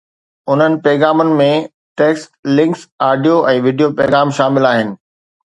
انهن پيغامن ۾ text, links, audio ۽ video پيغام شامل آهن